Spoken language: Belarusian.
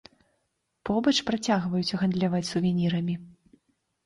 Побач працягваюць гандляваць сувенірамі.